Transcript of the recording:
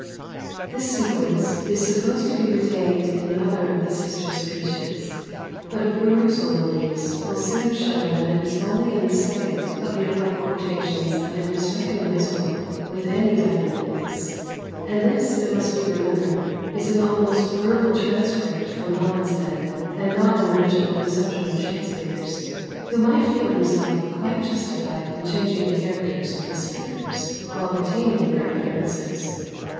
This sequence is supposed to be retained in other of the sisters' speeches; but a perusal of these will soon show that it is only in the second of the above quotations that it is recognizable with any definiteness; and this, it must be remembered, is an almost verbal transcript from Holinshed, and not an original conception of Shakspere's, who might feel himself quite justified in changing the characters of the speakers, while retaining their utterances.